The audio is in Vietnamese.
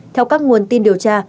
theo các nguồn tin điều tra